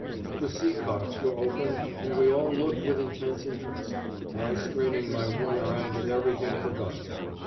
The sea cocks were opened and we all looked with intense interest, I straining my one eye with everything forgotten.